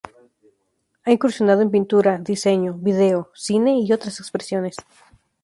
Ha incursionado en pintura, diseño, video, cine y otras expresiones.